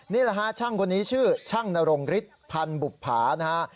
นี่แหละฮะช่างคนนี้ชื่อช่างนรงฤทธิ์พันธ์บุภานะฮะ